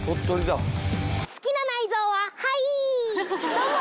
どうも。